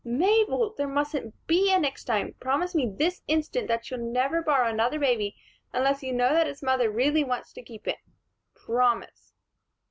"Mabel! There mustn't be a next time. Promise me this instant that you'll never borrow another baby unless you know that its mother really wants to keep it. Promise."